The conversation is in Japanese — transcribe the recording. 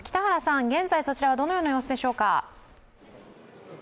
現在、そちらはどのような様子でしょうか？